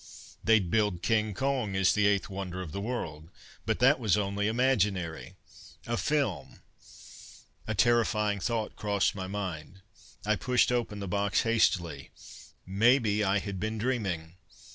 They'd billed "King Kong" as "The Eighth Wonder of the World," but that was only imaginary a film ... a terrifying thought crossed my mind. I pushed open the box hastily: maybe I had been dreaming.